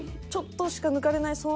ちょっとしか抜かれない